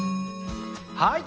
はい。